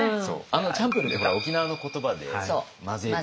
チャンプルーって沖縄の言葉で混ぜる。